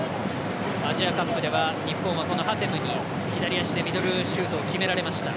アジアカップでもこのハテムに日本代表は左足でミドルシュートを決められました。